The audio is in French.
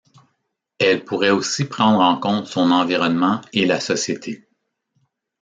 Elle pourrait aussi prendre en compte son environnement et la société.